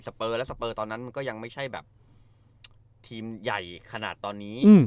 เปอร์และสเปอร์ตอนนั้นมันก็ยังไม่ใช่แบบทีมใหญ่ขนาดนี้